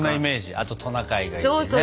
あとトナカイがいてね。